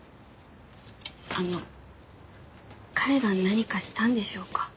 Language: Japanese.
あの彼が何かしたんでしょうか？